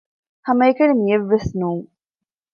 ހަމައެކަނި މިއެއްވެސް ނޫން